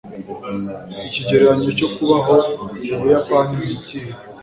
ikigereranyo cyo kubaho mu buyapani ni ikihe